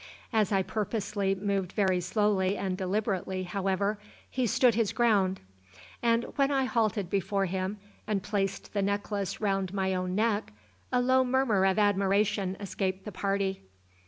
As I purposely moved very slowly and deliberately, however, he stood his ground; and when I halted before him and placed the necklace round my own neck, a low murmur of admiration escaped the party.